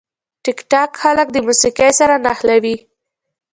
ټیکټاک خلک د موسیقي سره نښلوي.